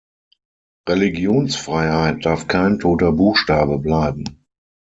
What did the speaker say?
Religionsfreiheit darf kein toter Buchstabe bleiben.